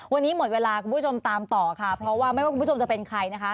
วันนี้หมดเวลาคุณผู้ชมตามต่อค่ะเพราะว่าไม่ว่าคุณผู้ชมจะเป็นใครนะคะ